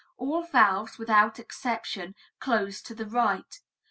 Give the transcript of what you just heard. (All valves, without exception, close to the right.)